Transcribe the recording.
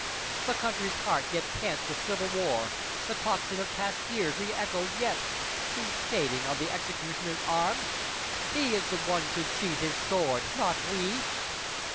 The country's heart yet pants with civil war; The tocsin of past years re echoes yet, Be saving of the executioner's arm! He is the one should sheathe his sword, not we!